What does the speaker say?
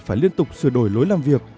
phải liên tục sửa đổi lối làm việc